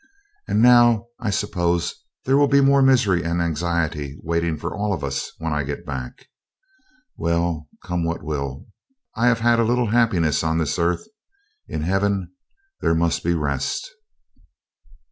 And now I suppose there will be more misery and anxiety waiting for all of us when I get back. Well, come what will, I have had a little happiness on this earth. In heaven there must be rest.'